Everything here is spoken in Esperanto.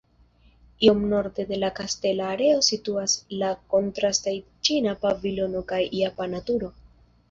Iom norde de la kastela areo situas la kontrastaj ĉina pavilono kaj japana turo.